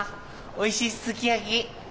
おいしいすき焼き。